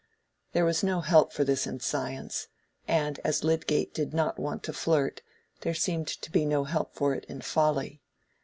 There was no help for this in science, and as Lydgate did not want to flirt, there seemed to be no help for it in folly.